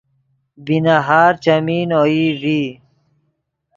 بی نہار چیمین اوئی ڤی